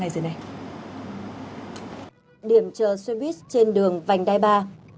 điểm chờ xe buýt trên đường vành đai ba